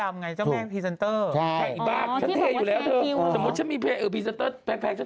คุณบ๊าคถามว่าเป็นแม่โมดดำไง